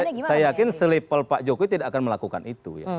ya saya yakin selipel pak jokowi tidak akan melakukan itu ya